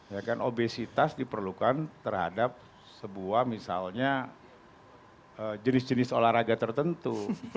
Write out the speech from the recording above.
ya kan obesitas diperlukan terhadap sebuah misalnya jenis jenis olahraga tertentu